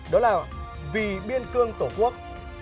đó là vì biên cương tổ quốc